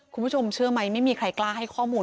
คุณผู้ชมเชื่อไหมไม่มีใครกล้าให้ข้อมูล